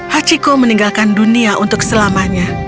hachiko meninggalkan dunia untuk selamanya